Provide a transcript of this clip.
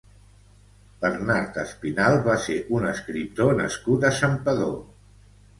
Bernart Espinalt va ser un escriptor nascut a Santpedor.